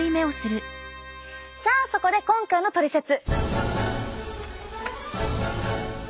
さあそこで今回のトリセツ！